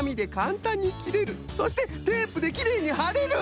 そして「テープできれいにはれる」。